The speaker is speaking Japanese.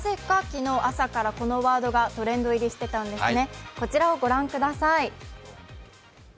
なぜか昨日、朝からこのワードがトレンド入りしていたんですね。